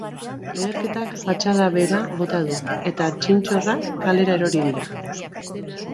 Leherketak fatxada behera bota du, eta txintxorrak kalera erori dira.